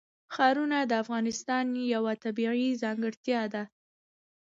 ښارونه د افغانستان یوه طبیعي ځانګړتیا ده.